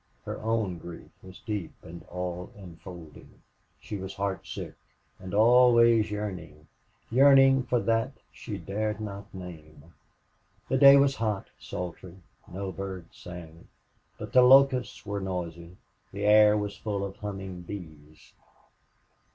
Her own grief was deep and all enfolding. She was heart sick, and always yearning yearning for that she dared not name. The day was hot, sultry; no birds sang, but the locusts were noisy; the air was full of humming bees.